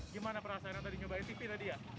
gimana perasaan tadi nyobain etv tadi ya